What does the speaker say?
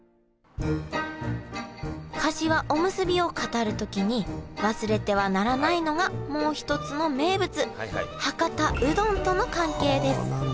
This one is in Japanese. かしわおむすびを語る時に忘れてはならないのがもう一つの名物博多うどんとの関係です。